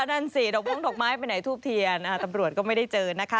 นั่นสิดอกวงดอกไม้ไปไหนทูบเทียนตำรวจก็ไม่ได้เจอนะคะ